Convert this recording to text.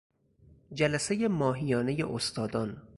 جلسهی ماهیانه استادان